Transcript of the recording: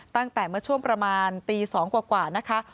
ตั้งแต่เมื่อช่วงประมาณตี๒กว่านะคะ